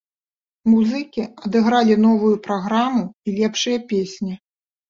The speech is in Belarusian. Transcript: Музыкі адыгралі новую праграму і лепшыя песні.